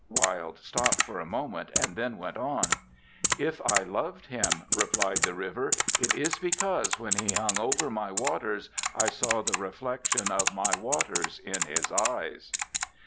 "' Wilde stopped for a moment, and then went on: '"If I loved him," replied the River, "it is because when he hung over my waters I saw the reflection of my waters in his eyes."'